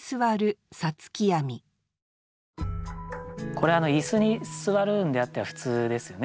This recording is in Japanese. これ椅子に座るんであっては普通ですよね。